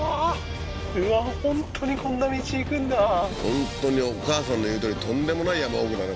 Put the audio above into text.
本当にお母さんの言うとおりとんでもない山奥だね